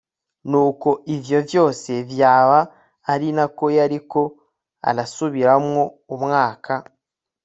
Nuko Ivyo vyose vyaba arinako yariko arasubiramwo umwaka